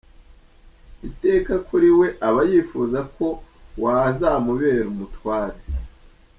Iteka kuri we aba yifuza ko wazamubere umutware.